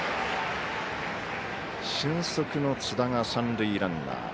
俊足の津田が三塁ランナー。